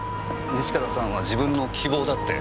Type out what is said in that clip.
西片さんは自分の希望だって。